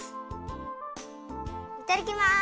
いただきます！